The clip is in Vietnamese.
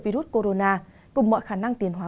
virus corona cùng mọi khả năng tiền hóa